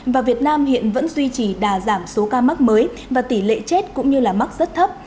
và việt nam hiện vẫn duy trì đà giảm số ca mắc mới và tỷ lệ chết cũng như mắc rất thấp